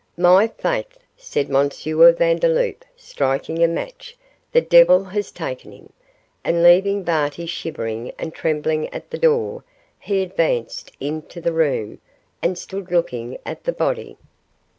'My faith,' said M. Vandeloup, striking a match, 'the devil has taken him,' and leaving Barty shivering and trembling at the door, he advanced into the room and stood looking at the body.